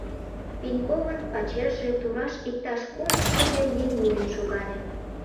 Пеньковын пачерже тураш иктаж кум шӱдӧ еҥ миен шогале.